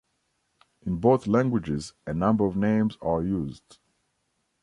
In both languages, a number of names are used.